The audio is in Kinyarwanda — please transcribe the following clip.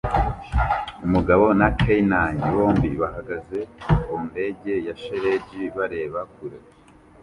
Umugabo na kineine bombi bahagaze ku ndege ya shelegi bareba kure